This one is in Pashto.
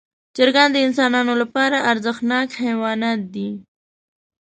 چرګان د انسانانو لپاره ارزښتناک حیوانات دي.